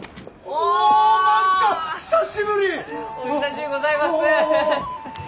お久しゅうございます！